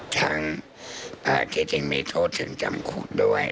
ทั้งที่จริงมีโทษถึงจำคุกด้วย